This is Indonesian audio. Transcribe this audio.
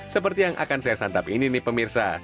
seperti yang akan saya santap ini nih pemirsa